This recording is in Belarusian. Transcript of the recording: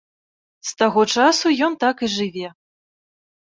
З таго часу ён так і жыве.